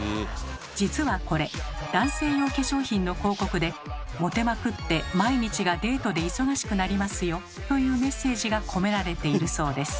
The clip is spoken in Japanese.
実はこれ男性用化粧品の広告で「モテまくって毎日がデートで忙しくなりますよ！」というメッセージが込められているそうです。